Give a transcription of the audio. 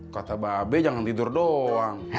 kata pak a b jangan tidur doang